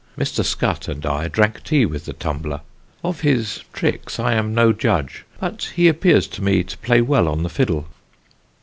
Mr. Scutt and I drank tea with the tumbler. Of his tricks I am no judge: but he appears to me to play well on the fiddle.